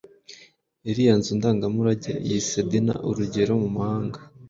iriya nzu ndangamurage yise Dina "Urugero mu mahanga",